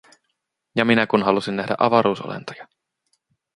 Ja minä kun halusin nähdä avaruusolentoja!